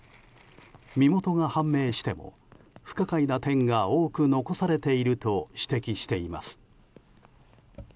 身元が判明しても不可解な点が多く残されていると指摘します。